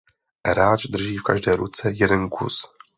Hráč drží v každé ruce jeden kus.